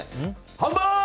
ハンバーグ！